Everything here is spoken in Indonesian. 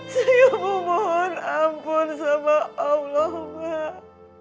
saya memohon ampun sama allah mbak